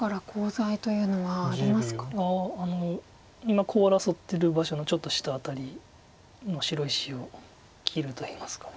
今コウ争ってる場所のちょっと下辺りの白石を切るといいますか。